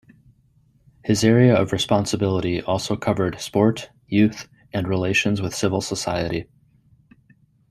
His area of responsibility also covered sport, youth, and relations with civil society.